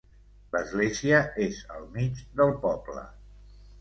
L'església és al mig del poble.